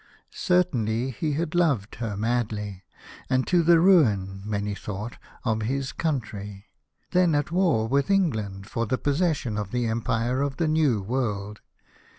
Certainly he had loved her madly, and to the ruin, many thought, of his country, then at war with England for the possession of the empire of the New World.